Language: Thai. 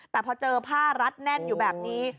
แต่พอเจอผ้ารัดแน่นอยู่แบบนี้